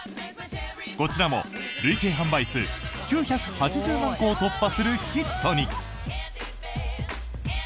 こちらも累計販売数９８０万個を突破するヒットに。